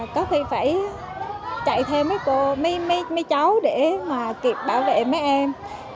có khi phải chạy theo mấy cô mấy cháu để mà kịp bảo vệ mấy em